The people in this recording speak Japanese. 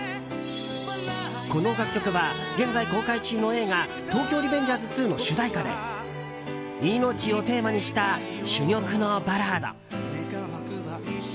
この楽曲は現在公開中の映画「東京リベンジャーズ２」の主題歌で命をテーマにした珠玉のバラード。